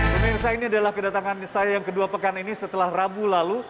pemirsa ini adalah kedatangan saya yang kedua pekan ini setelah rabu lalu